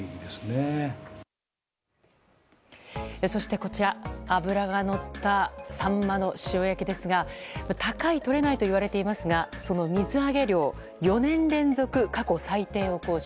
こちら、脂がのったサンマの塩焼きですが高い、とれないと言われていますがその水揚げ量４年連続過去最低を更新。